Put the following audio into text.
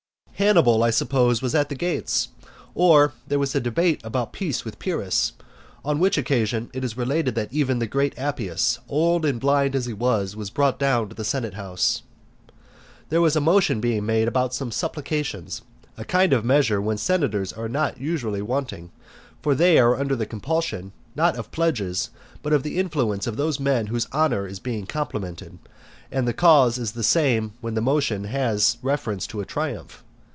Hannibal, I suppose, was at the gates, or there was to be a debate about peace with Pyrrhus, on which occasion it is related that even the great Appius, old and blind as he was, was brought down to the senate house. There was a motion being made about some supplications, a kind of measure when senators are not usually wanting, for they are under the compulsion, not of pledges, but of the influence of those men whose honour is being complimented, and the case is the same when the motion has reference to a triumph.